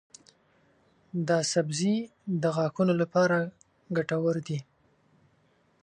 دا سبزی د غاښونو لپاره ګټور دی.